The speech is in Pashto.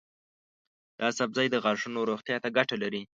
دا سبزی د غاښونو روغتیا ته ګټه لري.